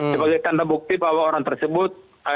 sebagai tanda bukti bahwa orang tersebut